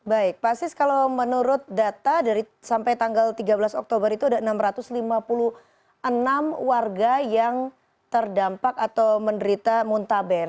baik pak sis kalau menurut data dari sampai tanggal tiga belas oktober itu ada enam ratus lima puluh enam warga yang terdampak atau menderita muntaber